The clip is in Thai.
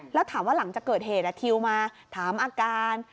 แล้วถามว่าหลังจากเกิดเหตุทิวมาถามอาการ